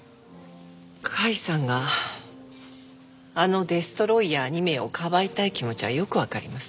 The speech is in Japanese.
甲斐さんがあのデストロイヤー２名をかばいたい気持ちはよくわかります。